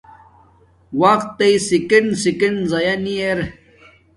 وقت تݵ سکینڈ سلینڈ ضایانی ار